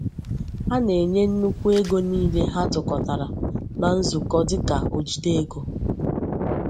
A na-enye nnekwu ego niile ha tụkọtara n’nzukọ dịka ojide ego.